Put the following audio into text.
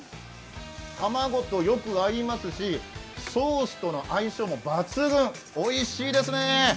卵とよく合いますしソースとの相性も抜群、おいしいですねえ。